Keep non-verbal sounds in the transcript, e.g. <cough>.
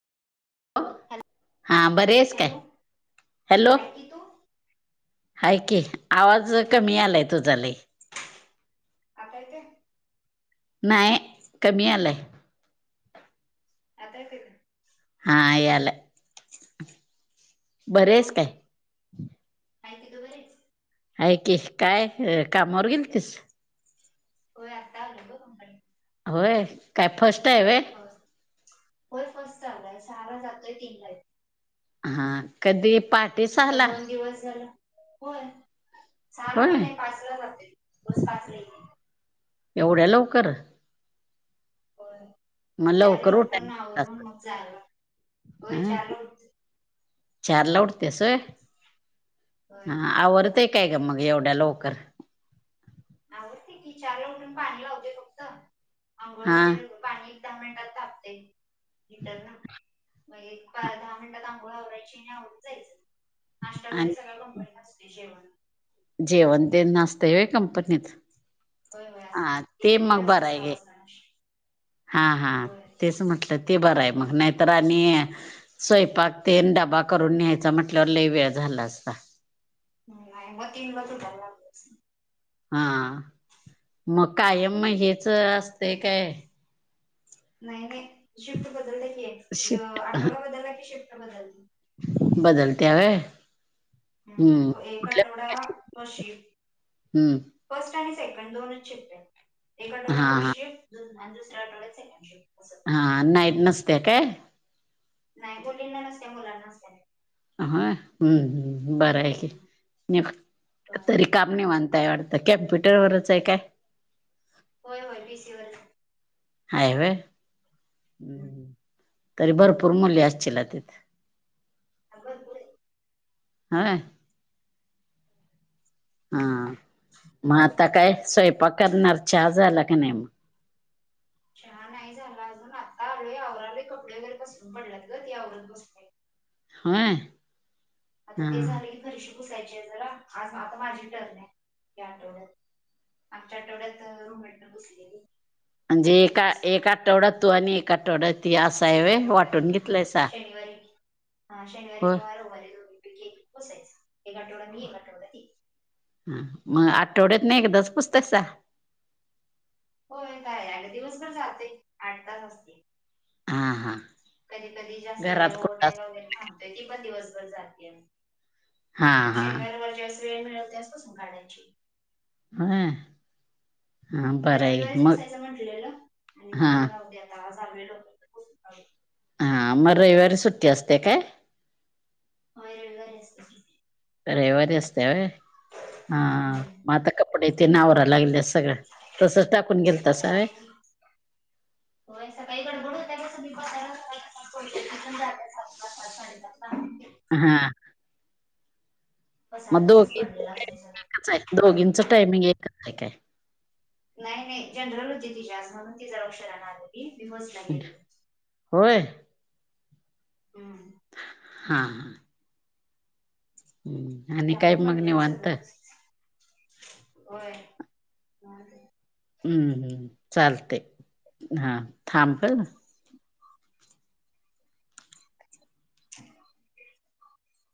Hello हां बरी आहेस काय हॅलो हॅलो. ऐक की तू हाय की आवाज कमी यालाय तुझा लई आता येतोय नाही कमी यालाय. आता येतोय काय हा यालाय बरी आहेस बोल काय? की कय नाही तुरी हाईस हाय की काय ह कामावर गेलतीस. होय आत्ता आलोय ग कंपनीतून होय काय फस्ट आहे व्हय होय फस्ट चालू हाय सहा ला जातोय तीन येतोय हा कधी पाट आता दोन दिवस झाले होय सहाला पण होय नाही पाचला जातोय बस पाचला येत्या एवढ्या लवकर हो मग लवकर चारला उठून उठायला आवरून मग जायला लागतय होय चारला उठायचं चार ला उटत्यास व्हय होय हा आवरतय काय का मग एवढ्या लवकर आवरतय की चार उठून पाणी लावतोय फक्त आंघोळ हा वगैरे करून पाणी एक दहा मिनिटात तापतय हिटरला मग एक दहा मिनटात आंघोळ आवरायचीे आणी आवरून जायचं नाश्ता वगैरे आणि सगळं कंपनीत असतय जेवण जेवण तेन असतय व्हय कंपनीत होय होय हा असते ते गेले गेले मग असते बरं आहे सहा घे वाजता नाश्ता हा हा होय तेच म्हटलं ते बरं आहे मग नाहीतर आणि स्वयंपाक तेन डबा करून न्यायचा म्हटल्या लय वेळ झाला असता ह नाही मग तीन बाजू भयला लागतोस <unintelligible> हा मग कायम मग हेच असतय काय नाही नाही शिफ्ट बदलते की शिफ्ट आठवडा ग बदलला की शिफ्ट बदलते बदलत्या व्हय हम्म त्यामुळ एक कुठल्या आठवडा फस्ट शिफ्ट हम्म फर्स्ट आणि सेकंड दोनच शिफ्ट आहेत एक आठवडा हा हा फर्स्ट शिफ्ट धून भांडे सरळ लावायच ना नीट अस हां अन नाईट नसत्या काय नाही दोन्ही नसतय मुलांना असतय होय हम् हम् बरं आहे तरी नीव होय तरी काम निवांत आहे वाटतं कॅम्प्युटरवरच आहे काय होय होय व्हीसीवर हाय व्हय हम हम तरी भरपूर मुली असचील तिथं अ <unintelligible> होय हा मग आता काय स्वयंपाक करणार चहा झाला का नाही मग चहा नाही झाला अजून आता आलोय आवरालोय कपडे वगैरे पसरून पडल्यात ग ती आवरत बसलोय होय आता हा ते झालं की फरशी पुसायची आहे जरा आज आता माझी टर्न आहे या आठवड्यात आगच्या आठवड्यात तवा रूममेटनं पुसलेली म्हणजे आता मी एका एका पुसणार आठवड्यात तू आणि एका आठवड्यात एक अआठवडा ती शनिवारी हा शनिवारी होय किंवा रविवारी दोन्ही पैकी मी पुसायचं एक आठवडा मी आठवडा ती हा मग आठवड्यातन एकदाच पुसतायसा होय काय दिवसभर जातेय आठ तास असते हा हा कधी कधी जास्त वेळ घरात कुठं ओव्हरटाईम अस वगैरे थांबतोय की पण दिवसभर जातेयच हा मग हा शनिवार रविवार ज्यावेळेस वेळ मिळेल त्यावेळेस पुसून काढायची होय हा म तर बरं आहे रविवारीच मग पुसायचं म्हटलेलं आणि हा म्हटलं जावू दे आता आज वेळ आहे तर पूसून काढुया हा मग रविवारी सुट्टी असत्या काय होय रविवारी असत्या रविवारी असत्या व्हय हा मग आता कपडे तेन आवरा लागल्यास सगळं तसच टाकून आता गेलतासा व्हय आवरून होय सकाळी गडबड होत्या ग मी <unintelligible> सात सातला साडेसात ला हा. मग पसारा तसाच दोघी पडलेला असतोय सगळा <unintelligible> दोघींच टायमिंग एकच आहे काय? नाही नाही जनरल होती तीची आज म्हणून ती जरा उशिरानं आली होती मी बसनं गेले होते होय हा हा हा हम्म हा काम पडलेलं सगळ तसंच.. होय मग आता हम् हम् चालतय हा. थांब काय मग <unintelligible>